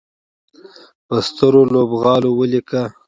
په سترو لوبغالو ولیکه